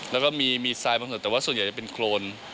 แล้วก็มีทรายบางส่วนแต่ว่าส่วนใหญ่จะเป็นโครน